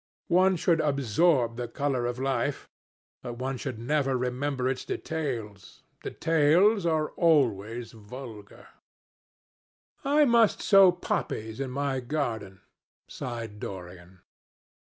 One should absorb the colour of life, but one should never remember its details. Details are always vulgar." "I must sow poppies in my garden," sighed Dorian.